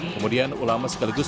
kemudian ulama sekaligus